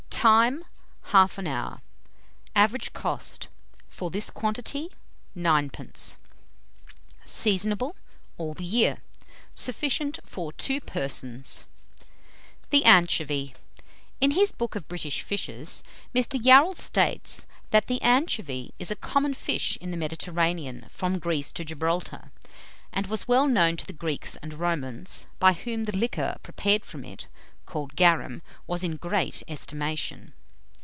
Time. 1/2 hour. Average cost for this quantity, 9d. Seasonable all the year. Sufficient for 2 persons. [Illustration: THE ANCHOVY.] THE ANCHOVY. In his book of "British Fishes," Mr. Yarrell states that "the anchovy is a common fish in the Mediterranean, from Greece to Gibraltar, and was well known to the Greeks and Romans, by whom the liquor prepared from it, called garum, was in great estimation.